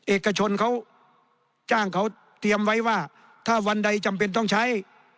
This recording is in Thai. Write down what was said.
เอกชนเขาจ้างเขาเตรียมไว้ว่าถ้าวันใดจำเป็นต้องใช้